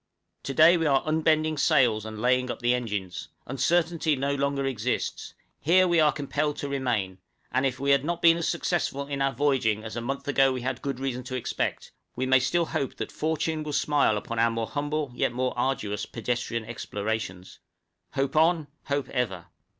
{WINTER QUARTERS.} To day we are unbending sails and laying up the engines uncertainty no longer exists here we are compelled to remain; and if we have not been as successful in our voyaging as a month ago we had good reason to expect, we may still hope that Fortune will smile upon our more humble, yet more arduous, pedestrian explorations "Hope on, hope ever."